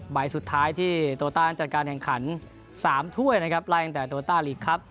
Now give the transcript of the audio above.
ใบสุดท้ายที่โตต้านจัดการแข่งขัน๓ถ้วยนะครับไล่ตั้งแต่โตต้าลีกครับ